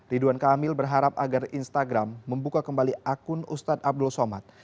ridwan kamil berharap agar instagram membuka kembali akun ustadz abdul somad